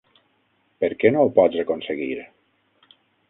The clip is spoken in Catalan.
Per què no ho pots aconseguir?